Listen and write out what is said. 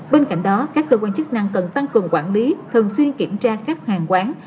bên cạnh đó các cơ quan chức năng cần tăng cường quản lý thường xuyên kiểm tra các hàng quán